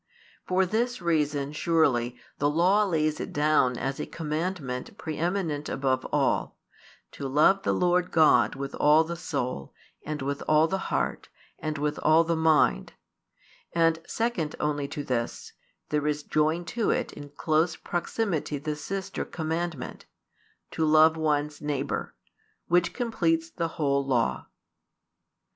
For this reason, surely, the Law lays it down as a commandment preeminent above all, to love the Lord God with all the soul, and with all the heart, and with all the mind; and, second only to this, there is joined to it in close proximity the sister commandment, to love one's neighbour, which completes the whole Law.